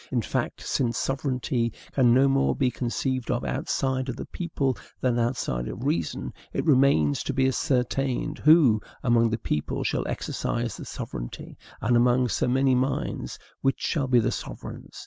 In fact, since sovereignty can no more be conceived of outside of the people than outside of reason, it remains to be ascertained who, among the people, shall exercise the sovereignty; and, among so many minds, which shall be the sovereigns.